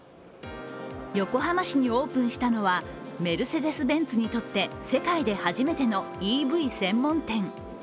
横浜市にオープンしたのはメルセデス・ベンツにとって世界で初めてのＥＶ専門店。